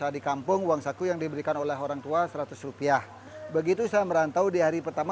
di kampung uang saku yang diberikan oleh orang tua seratus rupiah begitu saya merantau di hari pertama